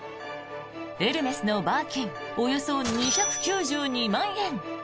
エルメスのバーキンおよそ２９２万円。